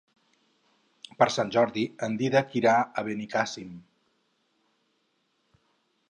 Per Sant Jordi en Dídac irà a Benicàssim.